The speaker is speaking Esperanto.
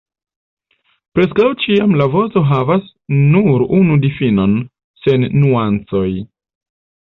Preskaŭ ĉiam la vorto havas nur unu difinon, sen nuancoj.